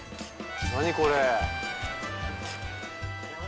何これ。